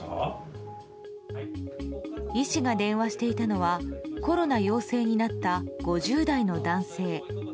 医師が電話していたのはコロナ陽性になった５０代の男性。